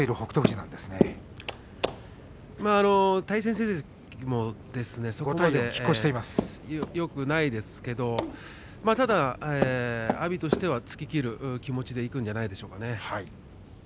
対戦成績もよくないですけれども阿炎としては突ききる気持ちでいくんじゃないでしょうか。